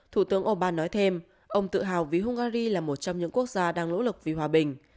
thủ tướng orbán nói thêm ông tự hào vì hungary là một trong những quốc gia đang nỗ lực vì hòa bình